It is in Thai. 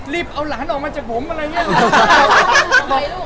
เอาหลานออกมาจากผมอะไรอย่างนี้